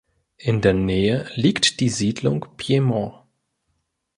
In der Nähe liegt die Siedlung Piedmont.